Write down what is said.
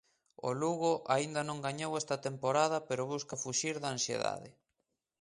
O Lugo aínda non gañou esta temporada pero busca fuxir da ansiedade.